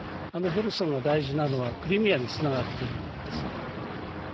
ヘルソンが大事なのはクリミアにつながっているんですね。